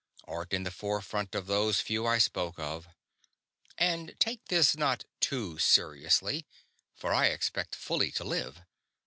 Art in the forefront of those few I spoke of. And take this not too seriously, for I expect fully to live.